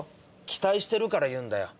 期待してるから言うんだよ。